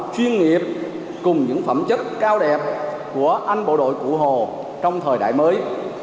chuyên nghiệp cùng những phẩm chất cao đẹp của anh bộ đội cụ hồ trong thời đại mới